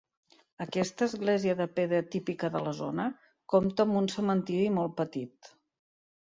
Aquesta església de pedra típica de la zona, compta amb un cementeri molt petit.